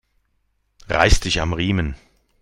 Reiß dich am Riemen